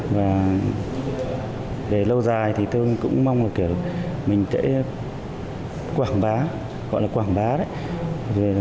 và về lâu dài thì tôi cũng mong là kiểu mình sẽ quảng bá gọi là quảng bá đấy